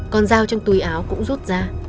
con dao trong túi áo cũng rút ra